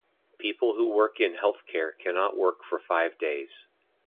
People who work in healthcare cannot work for five days.